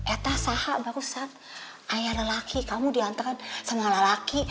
eta sahak barusan ayah lelaki kamu diantaran sama lelaki